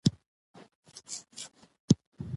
قورمه سبزي د بدن لپاره ګټور خواړه ګڼل کېږي.